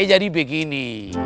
eh jadi begini